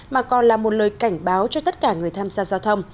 mà còn là một lời cảnh báo cho tất cả người tham gia giao thông